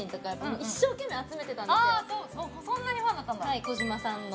はい、小嶋さんの。